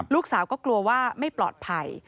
ลูกสาวก็กลัวว่าไม่ปลอดภัย